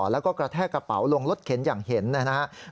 แล้วก็กระแทกกระเป๋าลงรถเข็นอย่างเห็นนะครับ